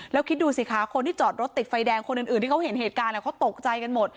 แล้วคิดดูสิคะคนที่จอดรถติดไฟแดงคนอื่นที่เขาเห็นเหตุการณ์เขาตกใจกันหมด